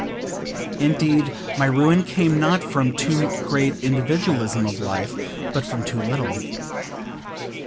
Indeed, my ruin came not from too great individualism of life, but from too little.